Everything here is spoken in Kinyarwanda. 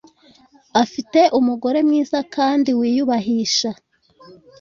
Afite umugore mwiza kandi wiyubahisha